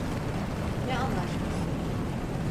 Ne anlaşması?